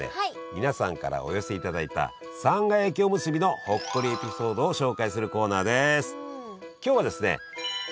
皆さんからお寄せいただいたさんが焼きおむすびのほっこりエピソードを紹介するコーナーです！